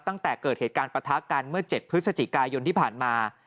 ตั้งแต่เกิดเหตุการณ์ประทะกันเมื่อ๗พฤศจิกายนที่ผ่านมา